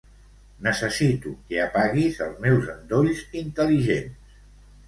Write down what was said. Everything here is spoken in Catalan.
Necessito que apaguis els meus endolls intel·ligents.